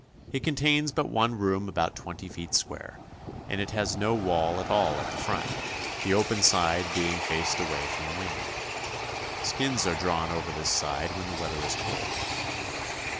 It contains but one room about twenty feet square, and it has no wall at all at the front, the open side being faced away from the wind. Skins are drawn over this side when the weather is cold.